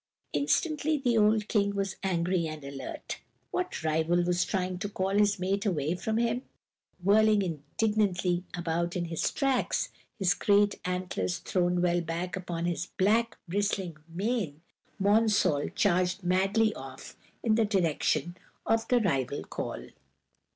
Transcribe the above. Instantly the old King was angry and alert. What rival was trying to call his mate away from him? Whirling indignantly about in his tracks, his great antlers thrown well back upon his black, bristling mane, Monsall charged madly off in the direction of the rival call.